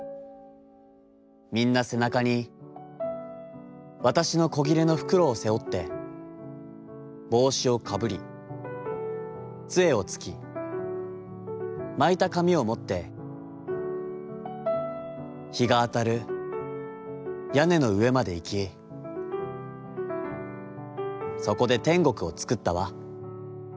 みんな背中に、わたしの小布の袋を背負って、帽子をかぶり、杖をつき、巻いた紙をもって、日があたる屋根の上までいき、そこで天国をつくったわ』。